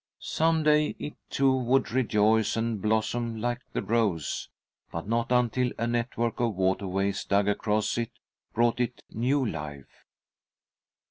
Some day it too would "rejoice and blossom like the rose," but not until a network of waterways dug across it brought it new life.